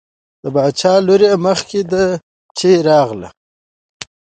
د باچا لور یې مخکې ده چې راغله.